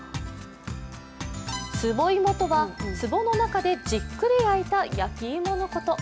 壺芋とは、つぼの中でじっくり焼いた焼き芋のこと。